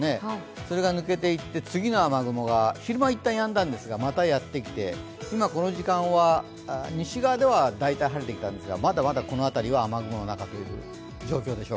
それが抜けていって、次の雨雲が、昼間、一旦やんだんですが、またやってきて、今この時間は西側ではだいたい晴れてきたんですがまだまだこの辺りは雨雲の中という状況です。